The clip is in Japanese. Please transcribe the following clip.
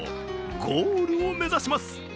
ゴールを目指します。